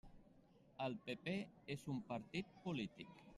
El PP és un partit polític.